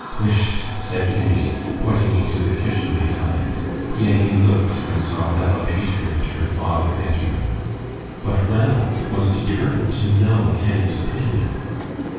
"Whisht!" said Kenny, pointing into the kitchen behind. Yankee looked and saw Bella Peter and her father entering. But Ranald was determined to know Kenny's opinion.